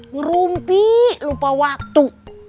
ngerumpi lupa waktu